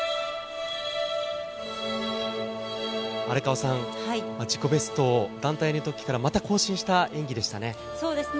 荒川さん、自己ベストを団体の時からまた更新した演技でしたね。